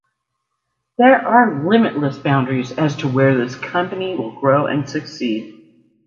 There are limitless boundaries as to where this company will grow and succeed.